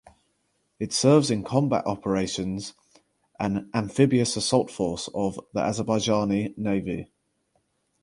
It serves in combat operations an amphibious assault force of the Azerbaijani Navy.